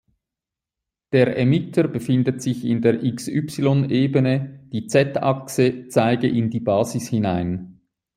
Der Emitter befinde sich in der x-y-Ebene, die z-Achse zeige in die Basis hinein.